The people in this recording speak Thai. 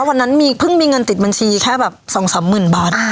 วันนั้นเพิ่งมีเงินติดบัญชีแค่แบบ๒๓๐๐๐บาท